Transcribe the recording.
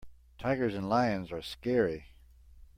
Tigers and lions are scary.